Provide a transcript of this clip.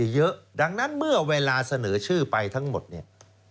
เยอะดังนั้นเมื่อเวลาเสนอชื่อไปทั้งหมดเนี่ย